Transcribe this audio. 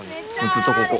ずっとここ。